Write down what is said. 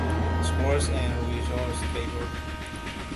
Scores and results table.